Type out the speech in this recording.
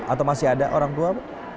atau masih ada orang tua